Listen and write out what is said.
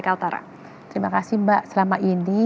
kaltara terima kasih mbak selama ini